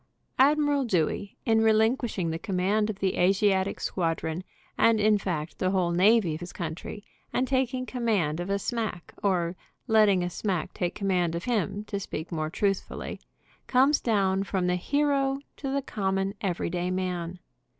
Admiral Dewey, in relinquishing the command of the Asiatic squadron, and in fact the whole navy of his country, and taking command of a smack, or let ting a smack take command of him, to speak more truthfully, comes down from the hero to the common, everyday man.